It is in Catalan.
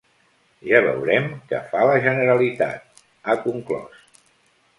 “Ja veurem què fa la Generalitat”, ha conclòs.